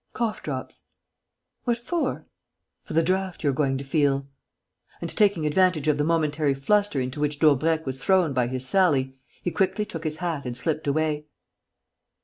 "Cough drops." "What for?" "For the draught you're going to feel!" And, taking advantage of the momentary fluster into which Daubrecq was thrown by his sally, he quickly took his hat and slipped away.